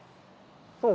そう